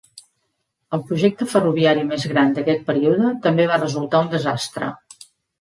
El projecte ferroviari més gran d'aquest període també va resultar un desastre.